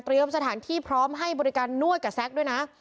สถานที่พร้อมให้บริการนวดกับแซ็กด้วยนะ